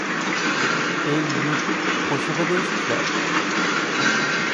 – El-yurt qo‘shig‘i deysiz-da?